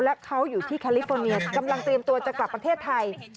และเขาอยู่ที่แคลิฟอร์เนียกำลังเตรียมตัวจะกลับประเทศไทย